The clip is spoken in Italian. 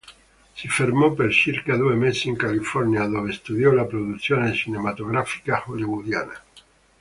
Si fermò per circa due mesi in California, dove studiò la produzione cinematografica hollywoodiana.